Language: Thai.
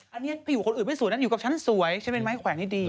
อันนี้ไปอยู่คนอื่นไม่สวยนะอยู่กับฉันสวยฉันเป็นไม้แขวนนี่ดี